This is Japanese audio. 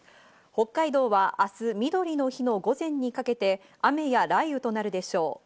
北海道は明日、みどりの日の午前にかけて雨や雷雨となるでしょう。